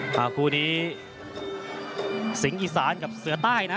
คู่นี้สิงห์อีสานกับเสือใต้นะ